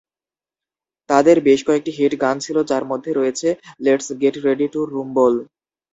তাদের বেশ কয়েকটি হিট গান ছিল যার মধ্যে রয়েছে লেটস গেট রেডি টু রুম্বল।